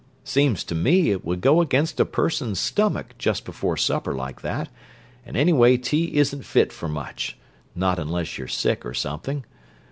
Seems to me it would go against a person's stomach, just before supper like that, and anyway tea isn't fit for much—not unless you're sick or something.